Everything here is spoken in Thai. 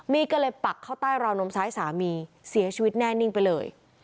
ก็เลยปักเข้าใต้ราวนมซ้ายสามีเสียชีวิตแน่นิ่งไปเลย